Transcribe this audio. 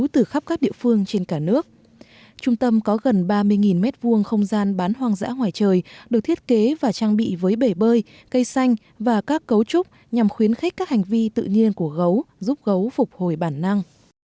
trung tâm có gần ba mươi m hai không gian bán hoang dã ngoài trời được thiết kế và trang bị với bể bơi cây xanh và các cấu trúc nhằm khuyến khích các hành vi tự nhiên của gấu giúp gấu phục hồi bản năng